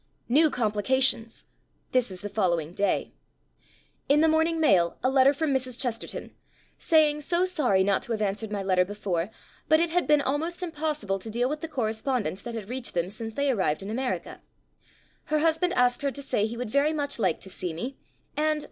«««« New complications! (This is the following day.) In the morning mail a letter from Mrs. Chesterton, saying so sorry not to have answered my letter before, but it had been almost impossible to deal with the correspond ence that had reached them since they arrived in America. ... Her husband asked her to say he would very much like to see me. And.